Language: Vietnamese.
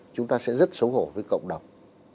chúng ta sẽ rất xấu hổ với cộng đồng